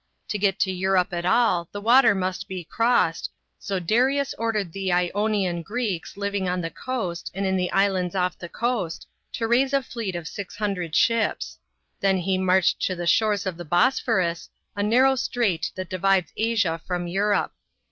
To get to Europe at all, the water must be crossed, so Darius ordered the Ionian Greeks 1 living on the coast and in the islands off the coast, to raise a fleet of six hundred ships. Then he marched to the shores of the Bosphorus, a narrow strait that divides Asia from Europe.